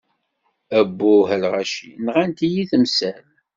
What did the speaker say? Abbuh a lɣaci, nɣant-iyi temsal.